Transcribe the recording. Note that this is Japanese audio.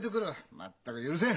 全く許せん！